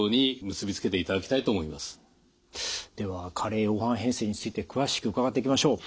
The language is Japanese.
では加齢黄斑変性について詳しく伺っていきましょう。